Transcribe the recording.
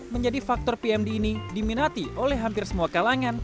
menjadi faktor pmd ini diminati oleh hampir semua kalangan